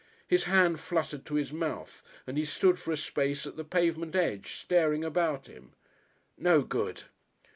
His hand fluttered to his mouth and he stood for a space at the pavement edge, staring about him. No good!